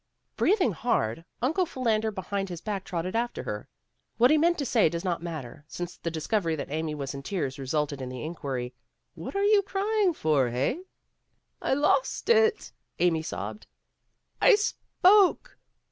Breathing hard', Uncle Philander Behind His Back trotted after her. What he meant to say does not matter, since the discovery that Amy was in tears resulted in the inquiry, "What are you crying for, hey?" "I lost it," Amy sobbed. "I spoke."